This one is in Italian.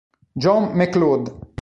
John MacLeod